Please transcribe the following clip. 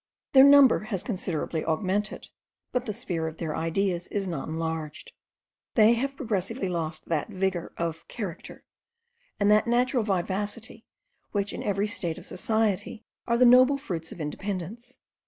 Their number has considerably augmented, but the sphere of their ideas is not enlarged. They have progressively lost that vigour of character and that natural vivacity which in every state of society are the noble fruits of independence.